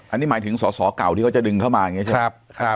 อันนี้หมายถึงสอสอเก่าที่เขาจะดึงเข้ามาอย่างนี้ใช่ไหม